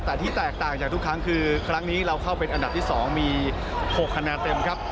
แต่ที่แตกต่างจากทุกครั้งคือครั้งนี้เราเข้าเป็นอันดับที่๒มี๖คะแนนเต็มครับ